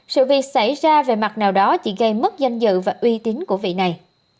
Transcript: sự việc xảy ra về mặt nào đó chỉ gây mất danh dự và uy tín của vị này